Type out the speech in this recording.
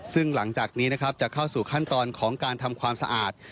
ซึ่งหลังจากนี้นะครับจะเข้าสู่ขั้นตอนของการทำความสะอาด